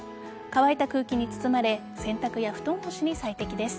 乾いた空気に包まれ洗濯や布団干しに最適です。